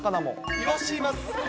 イワシいます。